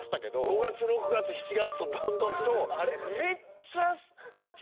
５月６月７月とどんどん。